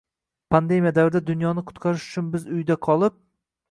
pandemiya davrida dunyoni qutqarish uchun biz uyda qolib